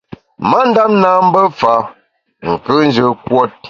Ma ndap nâ mbe fa, nkùnjù kuot.